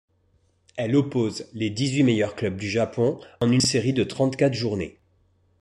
Elle oppose les dix-huit meilleurs clubs du Japon en une série de trente-quatre journées.